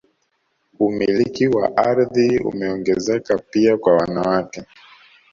Umiliki wa ardhi umeongezeka pia kwa wanawake